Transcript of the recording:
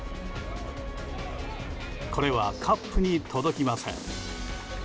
これはカップに届きません。